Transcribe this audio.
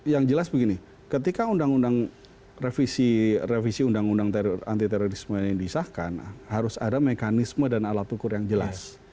yang jelas begini ketika undang undang revisi undang undang anti terorisme ini disahkan harus ada mekanisme dan alat ukur yang jelas